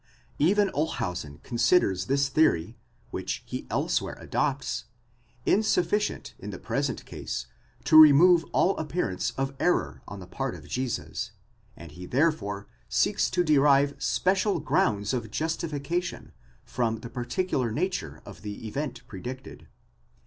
Even Olshausen considers this theory, which he elsewhere adopts, in sufficient in the present case to remove all appearance of error on the part of Jesus ; and he therefore seeks to derive special grounds of justification, from the particular nature of the event predicted.